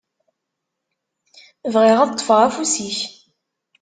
Bɣiɣ ad ṭṭfeɣ afus-ik.